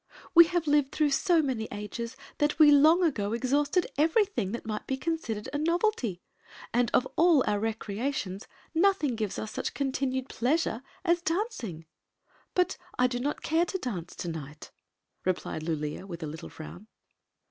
" We have lived through so many ages that we long ago exhausted everything that might be considered a novelty, and of all our recreations nothing gives us such continued pleasure as dancing." "But I do not care to dance to night! replied Lulea, with a little frown.